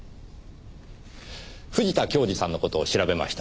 藤田恭二さんの事を調べました。